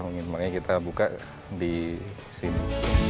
mungkin makanya kita buka di sini